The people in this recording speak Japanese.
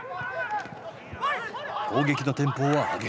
攻撃のテンポを上げる。